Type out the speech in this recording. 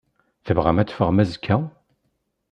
Tebɣam ad teffɣem azekka?